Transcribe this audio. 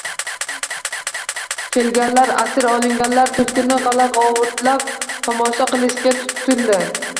Kelganlar asir olingan tulkini g‘ala-g‘ovurlab tomosha qilishga tutindi